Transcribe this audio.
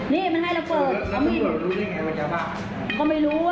นี่มันให้เราเปิด